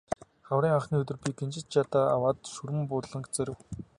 Хаврын анхны өдөр би гинжит жадаа аваад Шүрэн буланг зорив.